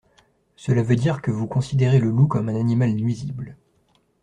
Cela veut dire que vous considérez le loup comme un animal nuisible.